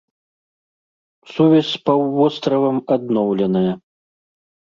Сувязь з паўвостравам адноўленая.